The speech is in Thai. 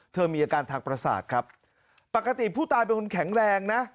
มีอาการทางประสาทครับปกติผู้ตายเป็นคนแข็งแรงนะ